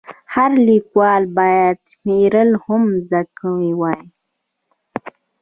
هر لیکوال باید شمېرل هم زده وای.